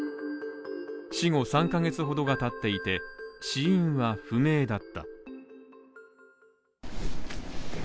死後３ヶ月ほどが経っていて、死因は不明だった。